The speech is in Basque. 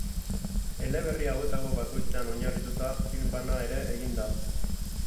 Eleberri hauetako bakoitzean oinarrituta film bana ere egin da.